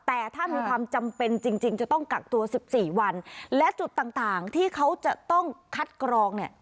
แต่ถ้ามีความจำเป็นจริงจริงจะต้องกักตัวสิบสี่วันและจุดต่างต่างที่เขาจะต้องคัดกรองเนี่ย